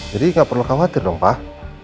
jadi gak perlu khawatir dong pak